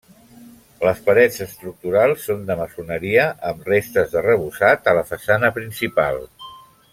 Les parets estructurals són de maçoneria amb restes d'arrebossat a la façana principal.